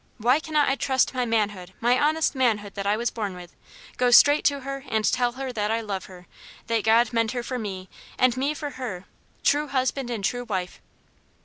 Why cannot I trust my manhood, my honest manhood that I was born with, go straight to her and tell her that I love her; that God meant her for me and me for her true husband and true wife?